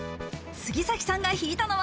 杉咲さんがひいたのは。